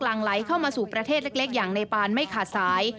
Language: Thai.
หลังไหลเข้ามาสู่ประเทศเล็กอย่างเนปานไม่ขาดสาย